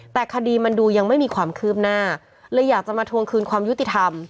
แต่คดีมันดูยังไม่มีความคืบหน้าเลยอยากจะมาทวงคืนความยุติธรรม